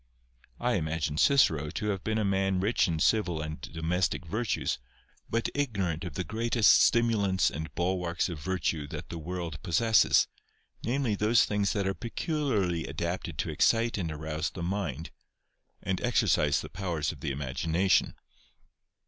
I imagine Cicero to have been a man rich in civil and domestic virtues, but ignorant of the greatest stimulants and bulwarks of virtue that the world 204 COMPARISON OF THE LAST WORDS OF possesses, namely, those things that are peculiarly adapted to excite and arouse the mind, and exercise the powers of the imagination.